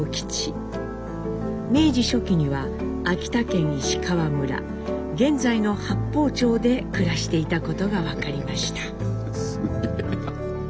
明治初期には秋田県石川村現在の八峰町で暮らしていたことが分かりました。